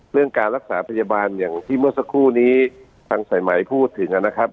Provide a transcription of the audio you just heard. เรื่องการรักษาพยาบาลอย่างที่เมื่อสักครู่นี้ทางสายไหมพูดถึงนะครับ